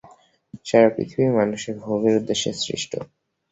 সারা পৃথিবী মানুষের ভোগের উদ্দেশ্যে সৃষ্ট।